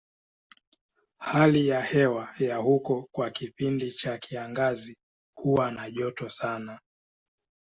Hali ya hewa ya huko kwa kipindi cha kiangazi huwa na joto sana.